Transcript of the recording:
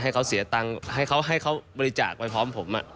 ให้เขาเสียตังค์ให้เขาบริจาคไปพร้อมผมอะ